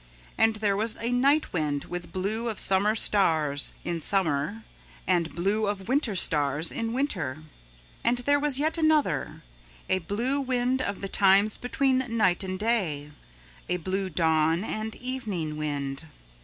And there was a night wind with blue of summer stars in summer and blue of winter stars in winter. And there was yet another, a blue wind of the times between night and day, a blue dawn and evening wind.